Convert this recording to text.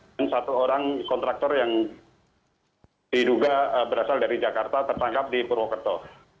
dan satu orang kontraktor yang diduga berasal dari jakarta tertangkap di purwokerto